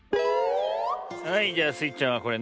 はいじゃあスイちゃんはこれね。